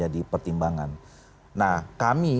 di pertimbangan nah kami